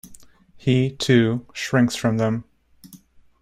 He, too, shrinks from them.